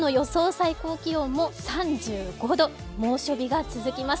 最高気温も３５度猛暑日が続きます。